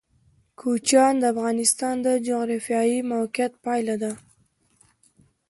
کوچیان د افغانستان د جغرافیایي موقیعت پایله ده.